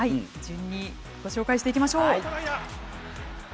順にご紹介していきましょう。